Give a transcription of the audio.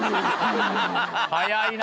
早いな。